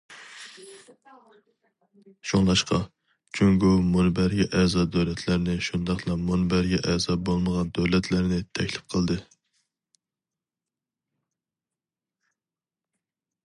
شۇڭلاشقا، جۇڭگو مۇنبەرگە ئەزا دۆلەتلەرنى شۇنداقلا مۇنبەرگە ئەزا بولمىغان دۆلەتلەرنى تەكلىپ قىلدى.